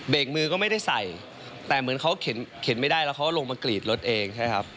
มือก็ไม่ได้ใส่แต่เหมือนเขาเข็นไม่ได้แล้วเขาลงมากรีดรถเองใช่ไหมครับ